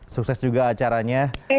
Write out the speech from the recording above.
sukses juga acaranya